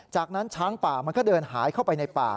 จากนั้นช้างป่ามันก็เดินหายเข้าไปในป่า